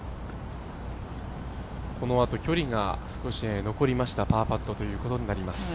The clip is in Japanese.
このあと距離が残りましたパーパットということになります。